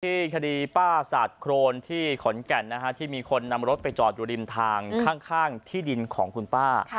ที่คดีป้าสาดโครนที่ขอนแก่นที่มีคนนำรถไปจอดอยู่ริมทางข้างที่ดินของคุณป้า